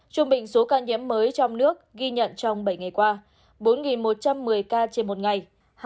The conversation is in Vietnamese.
trung bình số ca nhiễm mới trong nước ghi nhận trong bảy ngày qua bốn một trăm một mươi ca trên một ngày